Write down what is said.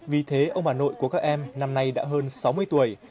vì thế ông bà nội của các em năm nay đã hơn sáu mươi tuổi